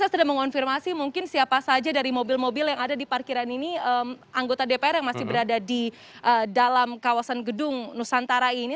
saya sudah mengonfirmasi mungkin siapa saja dari mobil mobil yang ada di parkiran ini anggota dpr yang masih berada di dalam kawasan gedung nusantara ini